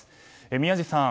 宮司さん